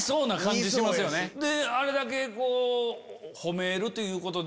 あれだけ褒めるということで。